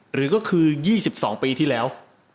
หรือก็คือ๒๒ปีที่แล้ว